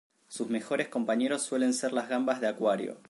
Sus mejores compañeros suelen ser las gambas de acuario.